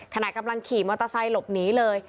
ขณะกำลังขี่มอเตอร์ไซค์หลบหนีเลย